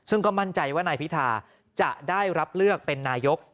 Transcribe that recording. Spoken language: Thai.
ซึ่งก็มั่นใจว่านายพิธาจะได้รับเลือกเป็นนายก